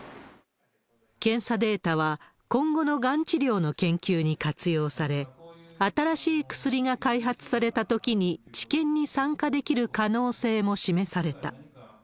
検査データは今後のがん治療の研究に活用され、新しい薬が開発されたときに治験に参加できる可能性も示された。